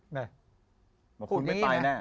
บอกคุณไม่ตายแน่